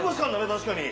確かに。